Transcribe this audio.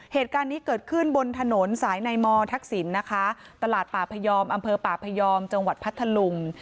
เหตุการณ์นี้เกิดขึ้นบนถนนสายในมทักษิณนะคะตลาดป่าพยอมอำเภอป่าพยอมจังหวัดพัทธลุง